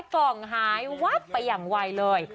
กล่องหายวับไปอย่างไวเลย